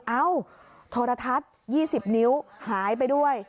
เอ้าโทรทัศน์๒๐นิ้วหายไปด้วย